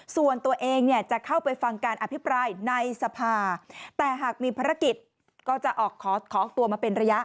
ส่วนตัวเองเนี่ยจะเข้าไปฟังการอภิปรายในสภาแต่หากมีภารกิจก็จะออกขอตัวมาเป็นระยะ